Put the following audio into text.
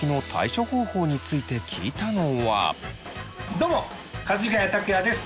どうもかじがや卓哉です！